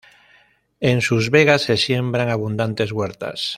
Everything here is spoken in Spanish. En sus vegas se siembran abundantes huertas.